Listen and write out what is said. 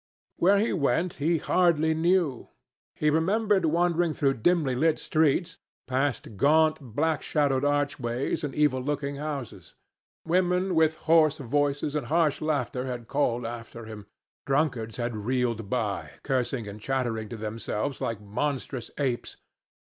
Where he went to he hardly knew. He remembered wandering through dimly lit streets, past gaunt, black shadowed archways and evil looking houses. Women with hoarse voices and harsh laughter had called after him. Drunkards had reeled by, cursing and chattering to themselves like monstrous apes.